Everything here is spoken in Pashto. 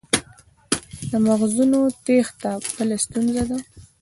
د مغزونو تیښته بله ستونزه ده.